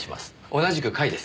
同じく甲斐です。